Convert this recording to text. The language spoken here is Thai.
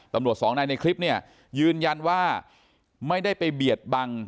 สองนายในคลิปเนี่ยยืนยันว่าไม่ได้ไปเบียดบัง